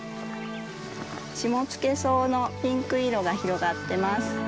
シモツケソウのピンク色が広がってます。